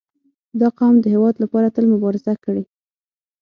• دا قوم د هېواد لپاره تل مبارزه کړې.